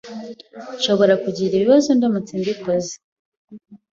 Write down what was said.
Nshobora kugira ibibazo ndamutse mbikoze.